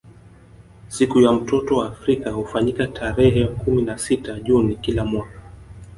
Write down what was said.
Siku ya mtoto wa Afrika hufanyika tarehe kumi na sita juni kila mwaka